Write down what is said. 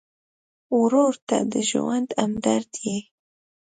ورور ته د ژوند همدرد یې.